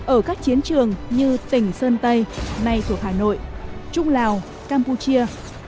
ở các chiến trường như tỉnh sơn tây nay thuộc hà nội trung lào campuchia